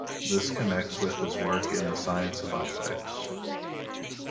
This connects with his work in the science of optics.